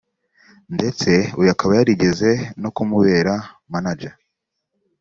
ndetse uyu akaba yarigeze no kumubera Manager